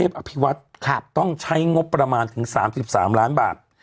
มีงบประมาณถึง๓๓ล้านบาท